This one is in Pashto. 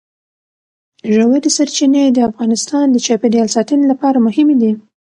ژورې سرچینې د افغانستان د چاپیریال ساتنې لپاره مهمي دي.